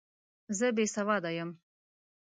زه بې سواده یم!